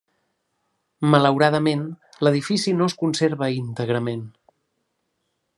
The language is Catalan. Malauradament, l'edifici no es conserva íntegrament.